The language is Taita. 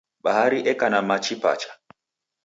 Bahari eka na machi pacha.